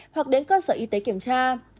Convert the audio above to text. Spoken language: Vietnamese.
hoặc đến cơ sở y tế kiểm tra